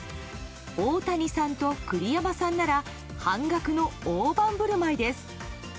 大谷さんと栗山さんなら半額の大盤振る舞いです。